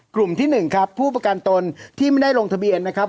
กลุ่มที่๑ครับผู้ประกันตนที่ไม่ได้ลงทะเบียนนะครับ